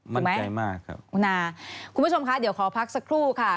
ถูกไหมใจมากครับคุณอาคุณผู้ชมคะเดี๋ยวขอพักสักครู่ค่ะ